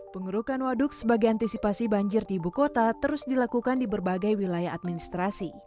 penggerukan waduk sebagai antisipasi banjir tibu kota terus dilakukan di berbagai wilayah administrasi